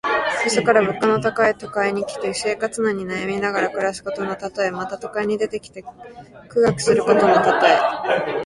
よそから物価の高い都会に来て、生活難に悩みながら暮らすことのたとえ。また、都会に出てきて苦学することのたとえ。